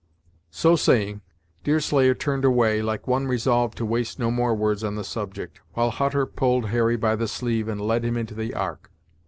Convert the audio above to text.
So saying, Deerslayer turned away, like one resolved to waste no more words on the subject, while Hutter pulled Harry by the sleeve, and led him into the ark.